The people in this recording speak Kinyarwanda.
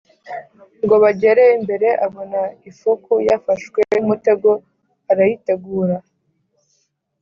Ngo bagere imbere abona ifuku yafashwe n umutego Arayitegura